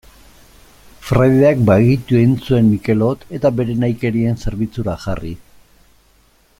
Fraideak bahitu egin zuen Mikelot, eta bere nahikerien zerbitzura jarri.